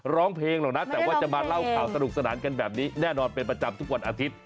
เราจะมาเล่าข่าวสนุกสนานกันแบบนี้แน่นอนเป็นประจำทุกวันอาทิตย์